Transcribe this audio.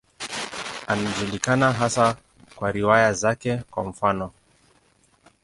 Anajulikana hasa kwa riwaya zake, kwa mfano.